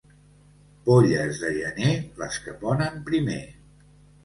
Polles de gener, les que ponen primer.